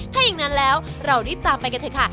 ถ้าอย่างนั้นแล้วเรารีบตามไปกันเถอะค่ะ